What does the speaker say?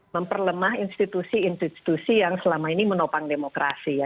memperlemah institusi institusi yang selama ini menopang demokrasi ya